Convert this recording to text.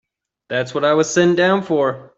That's what I was sent down for.